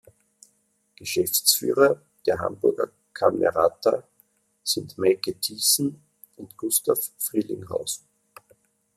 Geschäftsführer der Hamburger Camerata sind Meike Thiessen und Gustav Frielinghaus.